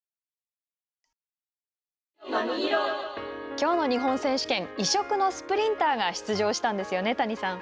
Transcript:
きょうの日本選手権異色のスプリンターが出場したんですよね、谷さん。